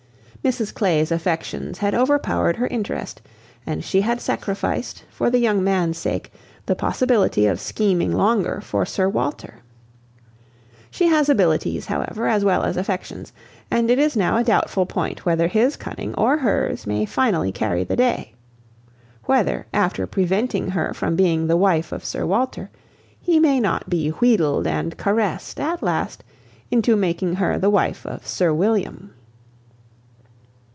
Mrs Clay's affections had overpowered her interest, and she had sacrificed, for the young man's sake, the possibility of scheming longer for Sir Walter. She has abilities, however, as well as affections; and it is now a doubtful point whether his cunning, or hers, may finally carry the day; whether, after preventing her from being the wife of Sir Walter, he may not be wheedled and caressed at last into making her the wife of Sir William.